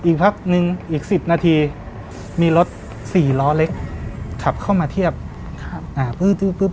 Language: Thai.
อีกพักหนึ่งอีกสิบนาทีมีรถสี่ล้อเล็กขับเข้ามาเทียบครับอ่า